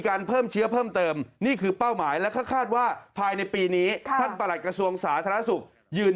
ส่วนนะนี่หลายคนบอกปลามาสไว้แล้ว